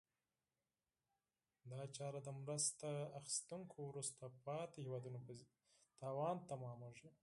دا چاره د مرسته اخیستونکو وروسته پاتې هېوادونو په زیان تمامیږي.